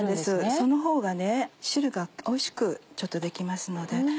そのほうが汁がおいしくできますので。